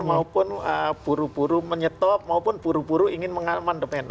maupun buru buru menyetop maupun buru buru ingin mengamandemen